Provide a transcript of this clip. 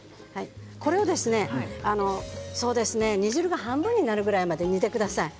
これを煮汁が半分になるぐらいまで煮てください。